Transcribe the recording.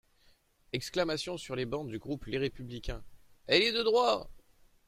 (Exclamations sur les bancs du groupe Les Républicains.) Elle est de droit.